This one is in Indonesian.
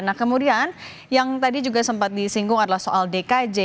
nah kemudian yang tadi juga sempat disinggung adalah soal dkj